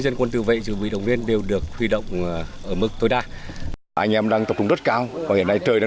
dân quân tư vệ dự bị động viên đều được huy động ở mức tối đa